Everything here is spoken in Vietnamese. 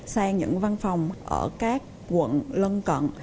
sang những văn phòng ở các quận lân cận